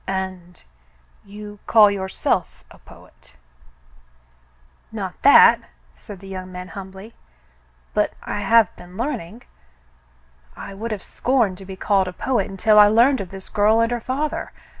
"And — you call yourself a poet ?" "Not that," said the young man, humbly, "but I have been learning. I would have scorned to be called a poet until I learned of this girl and her father.